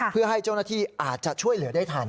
เพื่อให้เจ้าหน้าที่อาจจะช่วยเหลือได้ทัน